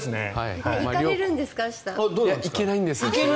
行けないんです。